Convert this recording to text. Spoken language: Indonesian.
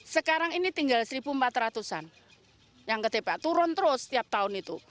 sekarang ini tinggal seribu empat ratus an yang ke tpa turun terus setiap tahun itu